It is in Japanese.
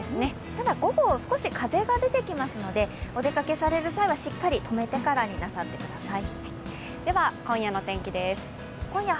ただ、午後、少し風が出てきますのでお出かけされる際はしっかりとめてからになさってください。